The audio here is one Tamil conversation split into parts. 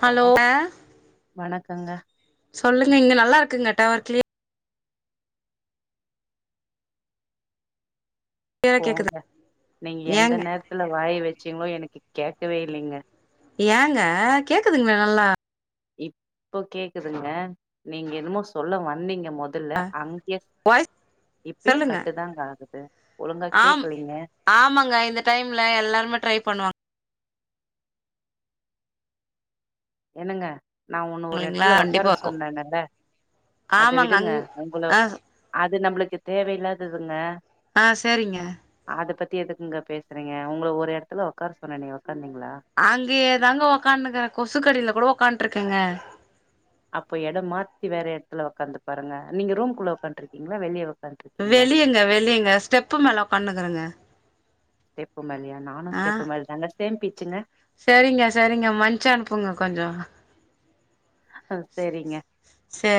ஹலோங்க க்கங்க சொல்லுங்க இங்க நல்லா இருக்குங்க டவர் க்ளியர் கேக்குது போங்க நீங்க எந்த ஏங்க நேரத்துல வாய வெச்சீங்களோ எனக்கு கேக்கவே இல்லிங்க ஏங்க கேக்குதுங்ளே நல்லா இப்போ கேக்குதுங்க நீங்க என்னுமோ சொல்ல வந்தீங்கம் மொதல்ல அங்யேஸ் வாய்ஸ் இப்பியும் சொல்லுங்க கட்டுதாங்க ஆகுது ஒழுங்கா ஆம் கேக்கலீங்க ஆமாங்க இந்த டைம்ல எல்லாருமே ட்ரை பண்ணுவாங் என்னங்க நா ஒன்ன ஒரு இல்லைங்களா எடத்துல உக்கார கண்டிப்பா இருக்கு சொன்னேனல்ல அத ஆமாங்க விடுங்க அங் உங்குள அத் ஆ அது நம்மளுக்கு தேவையில்லாததுங்க ஆ சேரிங்க அத பத்தி எதுக்குங்க பேசுறீங்க உங்ளோ ஒரு எடத்துல உக்காரு சொன்ன நீங்கோ அங்கியே தாங்க ஒக்கானுங்கர கொசு கடில கூடோ உக்காண்ட்ருக்கங்க அப்போ எடோ மாத்தி வேற எடத்துல உக்காந்து பாருங்க நீங்க ரூம் குள்ள உக்கான்ட்ருக்கீங்களா வெளிய ஒக்காந்ட்ருக்கீங்களா வெளியங்க வெளியங்க ஸ்டெப்பு மேல உக்காந்துகறங்க ஸ்டெப்பு மேலயா நானு ஸ்டெப்பு மேலதாங்க சேம் பிச்சுன்ன சரிங்க சரிங்க மஞ்ச அனுப்புங்க கொஞ்சோ செரிங்க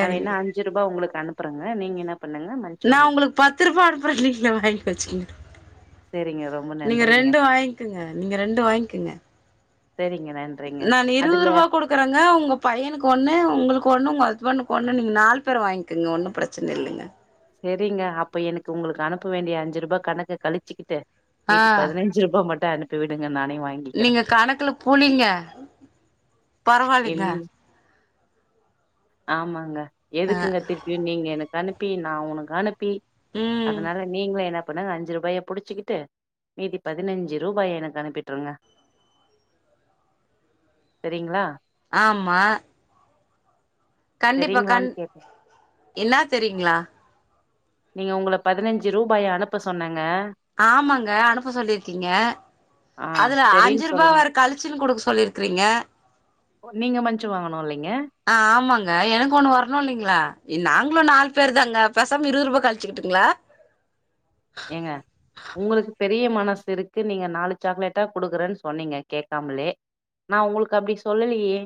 நா வேனா அஞ்சு ரூபா உங்களுக்கு அனுப்புறங்க நீங்க என்ன பண்ணுங்க மன்ச்சு நா வாங்கிக்கோங்க உங்களுக்கு பத்து ரூபா அனுப்புற நீீங்களே வாங்கி வச்சுறுங்க சேரிங்க ரொம்ப நீங்க நன்றிங்க ரெண்டு வாங்கிக்கங்க நீங்க ரெண்டு வாங்கிக்கங்க சேரிங்க நன்றிங்க நா இருபது அதுல ரூபாகுடுக்குறேங்க உங்க பையனுக்கு ஒண்ணு உங்களுக்கு ஒண்ணு உ உங்க ஹஸ்பண்ட்டுக்கு ஒன்னு நீங்க நாலு பேரு வாங்கிக்கங்க ஒன்னு பிரச்சன இல்லிங்க சரிங்க அப்ப எனக்கு உங்களுக்கு அனுப்ப வேண்டிய அஞ்சு ரூபா கணக்க கழிச்சுக்கிட்டு ட்டு ஆ வீட்டுக்கு பதினஞ்சு ரூபா மட்டு த அனுப்பி விடுங்க நானே வாங்கிக்கிறே நீங்க கணக்குல புலிங்க பரவாலிங்க இல்லிங் ஆமாங்க ஆ எதுக்குங்க திருப்பியு நீங்க எனக்கு அனுப் பீன் ந உனக்கானுப் பீல் ம் அதனால நீங்களு எனக் அப்பனா அஞ்சு ரூபாய புடிச்சிக்கிட்டு மீதி பதினஞ்சு ரூபாய எனக்கு அனுப்பிட்டுருங்க சரிங்ளா ஆமா கண்டிப்பா கண் சரிங்களான்னு கேட்டே என்னா தெரியுங்களா நீங்க உங்கள பதினஞ்சு ரூபாய அனுப்ப சொன்னே ஆமாங்க அனுப்ப சொல்லிருக்கீங்க ஆ அதுல சரின்னு அஞ்சு ரூபா சொல்லுங்க வேற கழிச்சுன்னு குடுக்க சொல்லிருக்குறீங்க ஓ நீங்க மஞ்ச்சு வாங்கனுலிங் ஆ ஆமாங்க எனக்கு ஒண்ணு வரணு இல்லிங்ளா இ நாங்களு நாலு பேர் தாங்க பேசாம இருபது ரூபா கழிச்சுக்குட்டுங்களா ஏங்க உங்களுக்கு பெர் பெரிய மனசு இருக்கு நீங்க நாலு சாக்லேட்டா குடுக்குறன் சொன்னீங்க கேக்காமலே நா உங்களுக்கு அப்டி சொல்லிலியே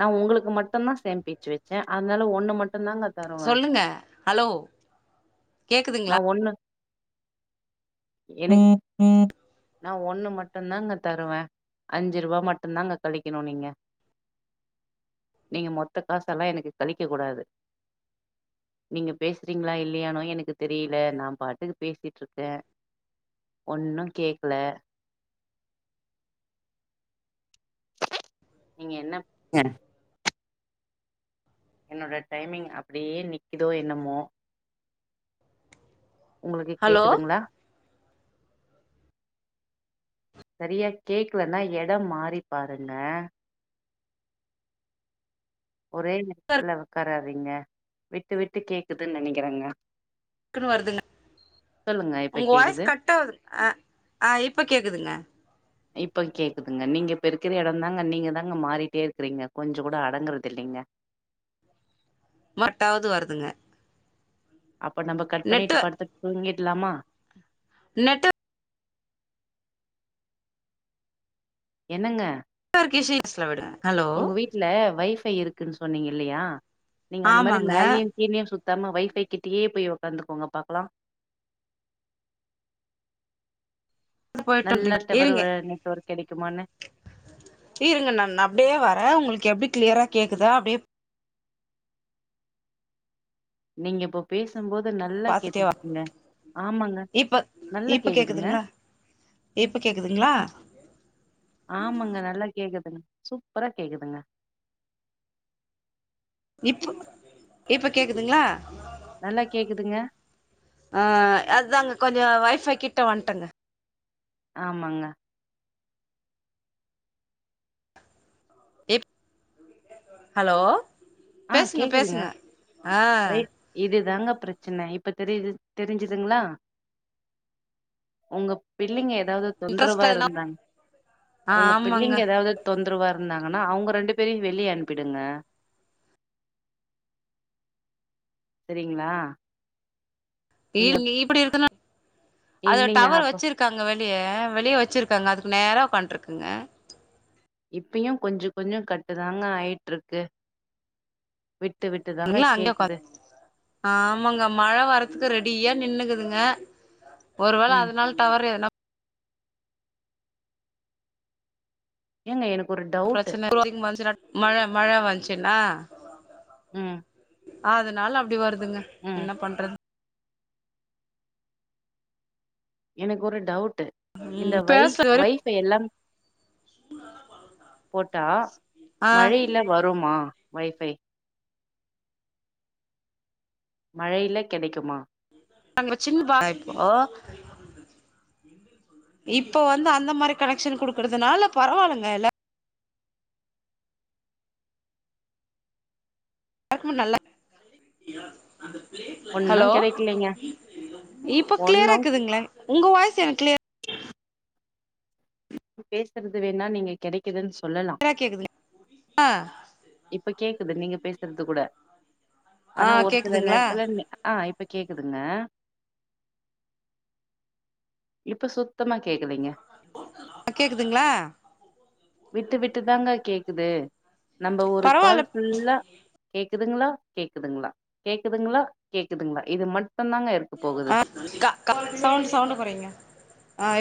நா உங்களுக்கு மட்டுதா சேம்பிச் வச்சே அதனால ஒண்ணு மட்டு சொல்லுங்க ஹலோ நா கேக்குதுங்களா ஒண்ணு எனக் நா ஒண்ணு மட்டும் தாங்க தருவன் அஞ்சு ரூபா மட்டும் தாங்க கழிக்கணும் நீங்க நீங்க மொத்த காச எல்லா எனக்கு கழிக்க கூடாது நீங்க பேசுறீங்களா இல்லையானு எனக்கு தெரில நா பாட்டுக்கு பேசிட்டு இருக்கன் ஒன்னு கேக்கல நீங்க என்ன [unintelligible] என்னோட டைமிங் அப்டியே நிக்குதோ என்னமோ உங்களுக்கு ஹலோ கேக்குதுங்ளா சரியா கேக்கலனா இடம் மாறி பாருங்க ஒரே எடத்துல உக்கார சரிங்க விட்டு விட்டு கேக்குதுன்னு நெனைக்கிறேங்க க்குன்னு வருதுங்க சொல்லுங்க இப்ப உங்க வாய்ஸ் கேக்குது கட்டாகுது அ ஆ இப்ப கேக்குதுங்க இப்ப கேக்குதுங்க நீங்க இப்ப இருக்கிற இடம் தாங்க நீங்க தாங்க மாறிட்டே இருக்குறீங்க கொஞ்சம் கூட அடங்குறது இல்லிங்க மட்டாவது வருதுங்க அப்ப நம்ம கட் பண்ணிட்டு நெட்டு படுத்துட்டு தூங்கிட் இல்லாமா நெட்வொ என்னங்க [unintelligible] விட ஹலோ உங்க வீட்ல வைஃபை இருக்குன்னு சொன்னீங்க இல்லையா நீங்க அந்த மாரி ஆமாங்க மேலயும் கீழயும் சுத் த்தாம வைஃபை கிட்டயே போய் உக்காந்துக்கோங்க பாக்கலா நல்லா [unintelligible] டவர் இருங்க நெட்வொர்க் கெடைக்குமான்னு இருங்க நா அப்டியே வரே உங்களுக்கு எப்டி கிளியரா கேக்குதா அப்டியே நீங்க இப்போ பேச் சும் போது நல்லா பாத்துட்டே வா கேட்டுச்சுங்க ஆமாங்க இப்ப நல்ல இப்ப கேக்குதுங்க கேக்குதுங்களா இப்ப கேக்குதுங்களா ஆமாங்க நல்லா கேக்குது சூப்பரா கேக்குதுங்க இப் இப்ப கேக்குதுங்களா நல்லா கேக்குதுங்க ஆ அதாங்க கொஞ்சம் வைஃபை கிட்ட வந்துட்டங்க ஆமாங்க இப் ஹலோ ஆ பேசுங்க கேக்குதுங்க பேசுங்க ஆ தாங்க பிரச்சனை இப்ப தெரிது தெரிஞ்சுதுங்களா உங்க பிள்ளைங்க எத் ஏதாது தொந்தரவா இன்ட்ரெஸ்ட்டா எதுனா இருந்தா ஆ உங்க ஆமாங்க பிள்ளைங்க ஏதாது தொந்தரவா இருந்த ஆனா அவுங்க ரெண்டு பேரையும் வெளிய அனுப்பிடுங்க செரிங்களா [unintelligible] இப்டி இருக்கனா அது இல்லைங்க டவர் அப்ப வச்சிருக்காங்க வெளி ய வெளிய வச்சிருக்காங்க அதுக்கு நேரா உக்காண்ட்ருக்கங்க. இப்பயு கொஞ்சொ கொஞ்சொ கட்டுதாங்க ஆயிட்ருக்கு. [unintelligible] அங்க உக்காந் ஆமாங்க மழ வரதுக்கு ரெடியா நின்னுக்குதுங்க ஒருவேள ம் அதனால டவர் எதுனா ஏங்க எனக் பிரச்சன [inaudible] அதிகமா இருந்துச்சுனா மழ மழ வந்ச்சுனா ம் அதனால அப்டி வருது க்குதுங்க ம் என்ன பண்றது எனக்கு ஒரு டவு ட்டு இந்த ம் வை பேசுறது வரையு வைஃபை எல்லாம் போட்டா ஆ மழைல வருமா வைஃபை மழையில கெடைக்குமா? நாங்க சின் [unintelligible] இப்ப வந்து அந்த மாரி கனெக்ஷன் குடுக்கறதுனால பரவால்லங்க எல்லா ருக்குமே நல்ல ஹலோ ஒன்னும் கெடைக்கலைங்க இப்போ ஒன்னும் க்ளியராக்குதுங்களே உங்க வாய்ஸ் எனக்கு க்ளி பேசுறது வேண்ணா நீங்க கெடைக்குதுன்னு சொல்லலாம் க்ளியரா கேக்குதுங்க ஆ இப்ப கேக்குது நீங்க பேசுறது கூட ஆ ஆனா ஒரு சில கேக்குதுங்களா நேரத்துல நெ ஆ இ இப்ப கேக்குதுங்க. இப்ப சுத்தமா கேக்கலைங்க. அ கேக்குதுங்ளா? விட்டு விட்டுதாங்க கேக்குது. நம்ப ஒரு கால் பரவால்ல ஃபுல்லா கே கேக்குதுங்களா கேக்குதுங்களா கேக்குதுங்களா கேக்குதுங்களா இது மட் ஆ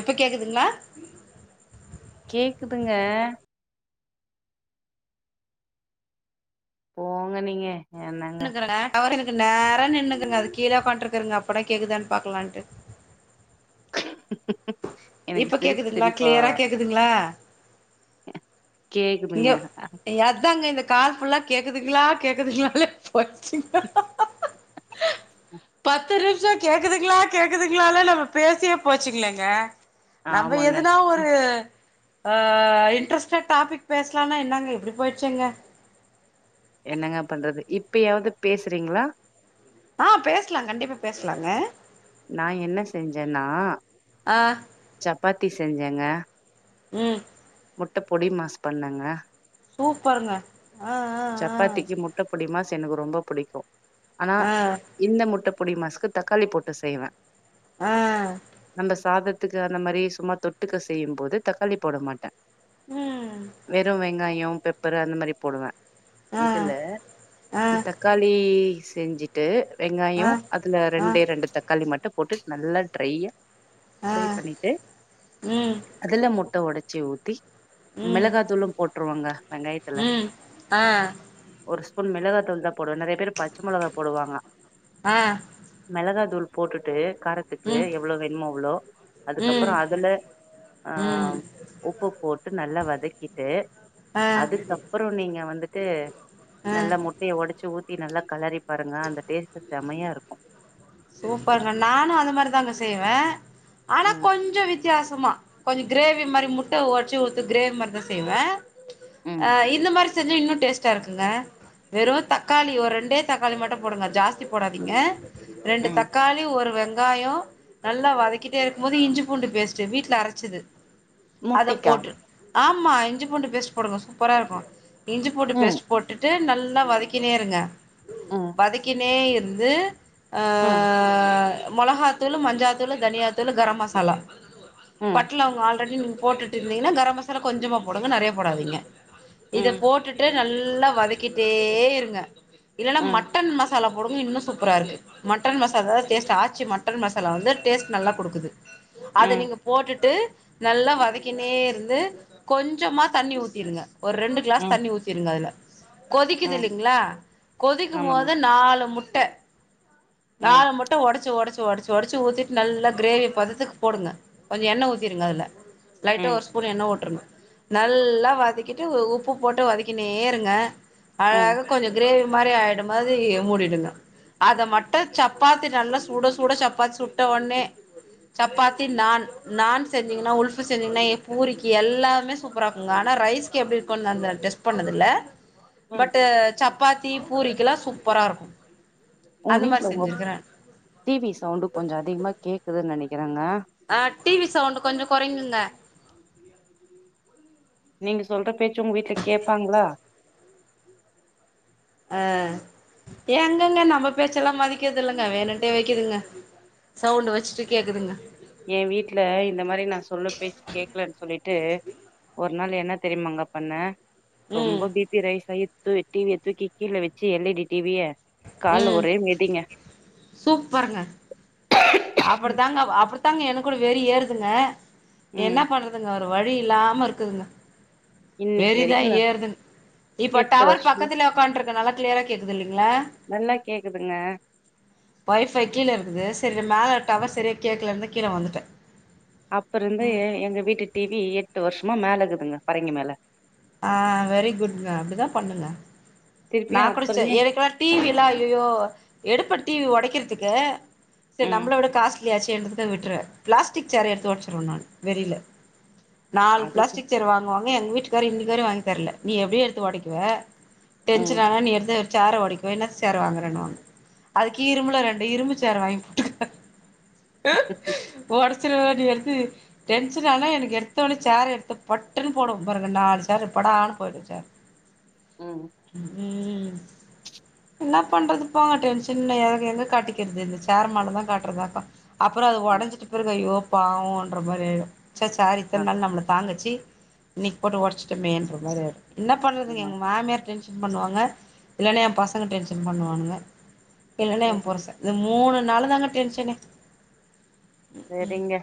இப் ப கேக்குதுங்களா? கேக்குதுங்க. போங்க நீங்க. என்னங்க [inaudible] டவரு என க்கு நே ரா நின்னுர்க்குங்க அதுக்கு கீழயே ஒக்காண்ட்டு இருக்கறங்க அ ப்பட கேக்குதான்னு பாக்கலான்ட்டு ம் ம் இப்ப கேக்குதுங்களா கிளியரா கேக்குதுங்களா இங்க கேக்குதுங்க அதாங்க இந்த கால் ஃபுல்லா கேக்குதுங்களா கேக்குதுங்களா இல்லப் போசிங்க பக் த்து நிமிஷம் கேக்குதுங்களா கேக்குதுங்களால நம்ம பேசியே போச்சுங்களேங்க நம்ம ஆமாங்க எதுனா ஒரு அ இட்ரெஸ்ட்டா டாபிக் பேசலானா என்னாங்க இப்பிடி போயிசேங்க என்னங்க பண்றது இப்பியாவது பேசிறீங்களா ஆ பேசலா கண்டிப்பா பேசலாங்க நா என்ன செஞ்சேன்னா ஆ சப் ப்பாத்தி செஞ்சேங்க ம் முட்டபொடி மாஸ் பண்ணங்க சூப்பருங்க ஆ ஆ சப்பாத்திக்கு முட்டபுடிமாஸ் எனக்கு ரொம்ப புடிக்கு ஆனா ஆ ஆ இந்த முட்டப் பொடி மாஸ்க்கு தக்காளி போட்டு செய்வே ஆ நம்ம சாதத் த்துக்கு அந்த மாரி சும்மா தொட்டுக்க செய்யும் போது தக்காளி போடமாட்டே ம் வெறு வெங்காயோம் பெப்பரு அந்த மாரி போடுவே ஆ இதுல ஆ இ தக்காளிஸ் செஞ்சுட்டு ஆ வெங்காயோ அதுல ஆ ரெண்டு ரெண்டு தக்காளி மட்டு போட்டு நல்லா ட்ரையா ஆ ஃபிரை பண்ணிட்டு ம் அதுல முட்ட ஒடச் ச்சி ஊத் த்தி ம் மிளகா தூளு போட் ட்ருவாங்க வெங்காயத்ல ம் ஆ மிளகாத்தூள்தாபோடுவே நெறைய பேர் பச்சைமிளகா போடுவாங்க ஆ மிளகாத்தூள் போட்டுட்டு காரத்துக்கு ம் எவ்ளோ வேணுமோஅவ்ளோ அதுக்கப்புறோ ம் அ அதுல ம் உப்பு போட்டு நல்லா வதக் தக்கிட்டு அ அப்புறோ நீங்க வந்துட்டு நல்ல முட்டைய ஒடச்சு ஊத்து ட்டி நல்லா கலறி பாருங்க அந்த டேஸ்ட்டு செம்மையா இருக்கு சூப்பர் நானு அந்த மாரிதாங்க செய்வே ஆனா ம் கொஞ்சோ வித்தியாசமா கொஞ்சோ கிரேவி மாரி முட்ட ஒடச் ஊத் கிரேவி மாரிதா செய்வே ம் அ இந்த மாரி செஞ்ச இன்னு டேஸ்ட்டா இருக்குங்க வெறு தக்காளி ஒரு ரெண்டே தக்காளி மட்டு போடுங்க ஜாஸ்தி போடாதீங்க ரெண்டு ம் தக்காளி ஒரு வெங் வெங்காயோ நல்லா வதக்கிட்டே இருக்கு போது இஞ்சி பூண்டு பேஸ்ட் வீட்ல அரச்சிது அத முட்டைக்கா போட்ரு ஆமா இஞ்சி பூண்டு பேஸ்ட் போடுங்க சூப்பரா இருக்கு இஞ்சி போட்டு ம் பேஸ்ட் போட்டுடு நல்ல நல்லா வதகினே இருங்க ம் வதகினே இருந்து ஆ ம் மொளகாதூளு மஞ்சாதூளு தனியாதூளு கர மசாலா ம் பட்டலவங்க ஆள் ரடி நீ போட்டுடு இருதீங்கனா கர மசாலா கொஞ்சமா போடுக நெறய போடாதீங்க இத ம் போட்டுடு நல்லா வதகிடே இருங்க இல்லனா ம் மட்டன் மசாலா போடுங்க இன்னு சூப்பரா இருகு மட்டன் மசாலா டேஸ்ட் ஆச்சு மட்டன் மசாலா வந்து டேஸ்ட் நல்லா குடுகுது அத ம் நீங்க போட்டுடு நல்லா வதகினே இருந்து கொஞ்சமா தண்ணி ஊதிருங்க ஒரு ரெண்டு கிளாஸ் ம் தண்ணி ஊத்திருங்க அதுல ம் கொதிக்குதுலைங்ளா கொதிகு ஆமாங்க போது நாலு முட்ட ம் நாலு முட்ட ஒடச்சு ஒடச்சு ஒடச்சு ஒடச்சு ஊதிடு நல்லா கிரேவி பததுகு போடுங்க கொஞ்ச எண்ண ஊதிருங்க அதுல லைட்டா ம் ஒரு ஸ்பூன் எண்ண உட்ரணு நல்லா வதகிட்டு உப்பு போட்டு வதகினேருங்க ம் அழகா கொஞ்ச கிரேவி மாரி ஆயி இந்த மாரி மூடிடுங்க அத மட்டு சப்பாத்தி நல்லா சுட சுட சப்பாத்தி சுட்ட ஒன்னே சப்பாத்தி நாண் நாண் செஞ்சீங்கனா உல்ஃப்பு செஞ்சீங்கனா பூரிக்கு எல்லாமே சூப்பரா இருக்குங்க ஆனா ரைஸ்கு எப்டி இருக்குன் அந்த டெஸ்ட் பண்ணதில்ல ம் பட்டு சப் சப்பாத்தி பூரிகெல்லா சூப்பரா இருக்கு உங்க அந்த மாரி வீட்ல உங்க செஞ்சிருக்கிறே டிவி சவுண்டு கொஞ்சோ அதிகமா கேகுதுன் நெனைக் ஆ டிவி சவுண்டு கொஞ்சோ கொறைங்கங்க நீங்க சொல்ற பேசு உங்க வீட்ல கேப்பாங்களா அ எங்கங்க நம்ம பேச்சல்லாம் மதிகதில்லங்க வேணுன்டே வெக்குதுங்க சவுண்டு வெச்சுட்டு கேக்குதுங்க எ வீட்ல இந்த மாரி நா சொல்ல பேச்சு கேக்லன் சொல்லிட்டு ஒரு நாள் என்ன தெரியுமாங்க பண்ண ம் ரொம்போ பிபி ரெயிஸ் ஆயி தூவி டிவிய தூக்கி கீழ வெச்சு எல் இ டி டிவிய கால்ல ம் ஒரே மிதிங்க அப்புடித்தாங்க வா அப்புடித்தாங்க எனக் கூட வெறி ஏறுதுங்க என்ன ம் பண்றதுங்க வேற வழி இல்லாம இருக்குதுங்க இன்னைக்கு வெறிதா வரைக்கு ஏறதுங் இப்ப எட்டு டவர் வருஷமா பக்கத்துல உக்கான்டுருக்க நல்லா க்ளியரா கேக்குது இல்லிங் ங்களா நல்லா கேக்குதுங்க வொஃப்பை கீழ இருக்குது செர் இங்க மேல டவர் செரியா கேக்குலன்தா கீழ வந்துட்ட அப்ப இருந்து எ எங்க வீட்டு டிவி எட் டு வருஷமா மேலக்குதுங்க பறங்கி மேல ஆ வெரி குட்ங்க அப்டிதா பண்ணுங்க நா திருப்பியு அப்ப குடுச்ச இருந்தே ஏழைக்கெல்லா டிவில்லா ஐயையோ எடுப்பட் டிவி ஒடைக்கிறதுக்கு செரி ம் நம்மளோட காஸ் லயாச்சு இருந்துட்டுதா விட்ருவ பிளாஸ்டிக் ச்சேர எடுத்து ஒடச்சுருவ நானு வெறில நாலு அதுக்கு பிளாஸ்டிக் ச்சேர் வாங்குவாங்க எங்க வீட்டுக்காரு இன்னிக்க வேற வாங்கி தெர்ல நீ எப்டி எடுத்து ஒடைக்குவ டென்ஷன் ம் ஆனா நீ எடுத்து ச்சேர ஒடைக்குவ என்ன ச்சேர வாங்கறன்னுவாங்க அதுக்கு இரும்புல ரெண்டு இரும்பு ச்சேர வாங்கி போட்டுக்கோங்க ஓடச் ஒடச்சுருவ நீ வேற எடுத்து டென்ஷன் ஆனா எனக்கு எடுத்த ஒன்னே ச்சேர எடுத்து பட்டுன்னு போடுவம் பாருங்க நாலு ச்சேரு படாருன் போயிடு ச்சேர் ம் ம் என்னா பண்றது போங்க டென்ஷன் எங்க காட்டிக்கிறது இந்த சேர் மேல தா காட்டுறதாக்கு அப்புறோ அது உடஞ்சிட்டு பெறகு ஐயோ பாவம்ன்ற மாரி ஆயிரு ச சார் ஆ இத்தன நாள் நம்மள தாங் சி இனைக் போட்டு உடச்சுட்டமேன்றமாரி ஆயிரு என்ன பண்றதுங்க ஆமா எங்க மாமியாரு டென்ஷன் பண்ணுவாங்க இல்லன்னா எ பசங்க டென்ஷன் பண்ணுவானுங்க இல்லன்னா எ சேரி புருசே இது மூணு னால தாங்க டென்ஷனு ம் சரிங்க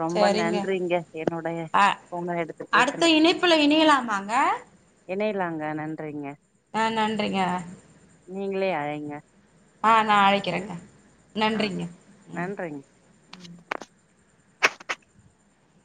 ரொம்ப சரிங்க நன்றிங்க என்னுடைய அ ஃபோன எடுத்து அடுத்த பேசுனதுக்கு இணைப்புல இணையலாமாங்க இணையலாங்க நன்றிங்க ஆ நன்றிங்க நீங்களே அழைங்க ஆ நா அழைக்கிறங்க ஆ நன்றிங்க